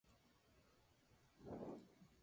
Algunos de estos actos continúan hasta la actualidad.